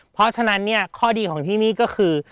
เพราะฉะนั้นเนี่ยข้อดีของที่นี่ก็คือ